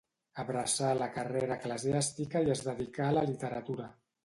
Abraçà la carrera eclesiàstica i es dedicà a la literatura.